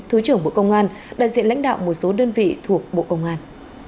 thứ trưởng bộ công an đại diện lãnh đạo một số đơn vị thuộc bộ công an